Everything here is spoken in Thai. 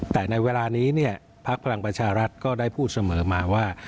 แต่ในเวลานี้เนี่ยพักพลังประชารัฐก็ได้พูดเสมอมาว่า